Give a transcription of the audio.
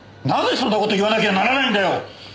なぜそんな事言わなきゃならないんだよ！